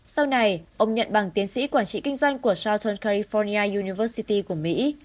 sau này ông nhận bằng tiến sĩ quản trị kinh doanh của southern california university của mỹ